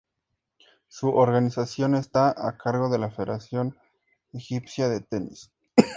Su organización está a cargo de la Federación Egipcia de Tenis.